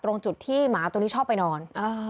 ตรงจุดที่หมาตัวนี้ชอบไปนอน